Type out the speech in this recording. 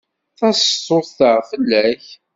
Taseḍsut-a fell-ak.